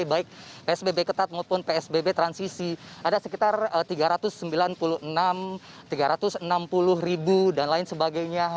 baik psbb ketat maupun psbb transisi ada sekitar tiga ratus sembilan puluh enam tiga ratus enam puluh ribu dan lain sebagainya